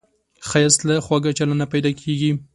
ښایست له خواږه چلند نه پیدا کېږي